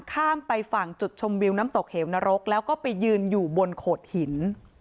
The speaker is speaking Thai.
ข้ามไปฝั่งจุดชมวิวน้ำตกเหวนรกแล้วก็ไปยืนอยู่บนโขดหิน